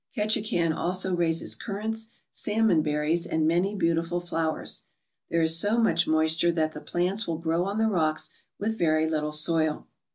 Ketchikan also raises currants, salmon berries, and many beautiful flowers. There is so much moisture that the plants will grow on the rocks with very little soil.